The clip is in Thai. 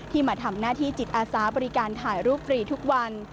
มาทำหน้าที่จิตอาสาบริการถ่ายรูปฟรีทุกวัน